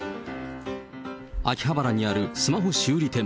秋葉原にあるスマホ修理店。